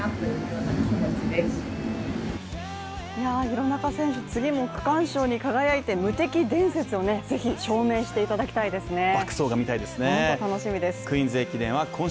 廣中選手、次も区間賞に輝いて無敵伝説をぜひ、証明していただきたいですね。